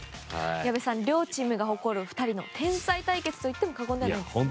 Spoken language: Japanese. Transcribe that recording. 矢部さん、両チームが誇る２人の天才対決と言っても過言ではないですね。